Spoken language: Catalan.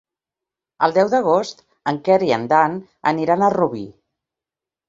El deu d'agost en Quer i en Dan aniran a Rubí.